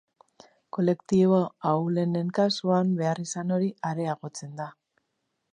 Kolektibo ahulenen kasuan beharrizan hori areagotzen da.